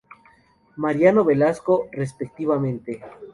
Mariano Velasco, respectivamente.